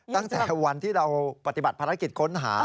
ตั้งแต่วันที่เราปฏิบัติภารกิจค้นหา